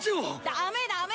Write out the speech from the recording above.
ダメダメ！